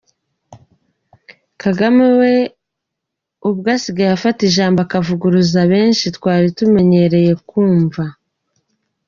Kagame we ubwe asigaye afata ijambo akavuguruza byinshi twari tumenyereye kumva.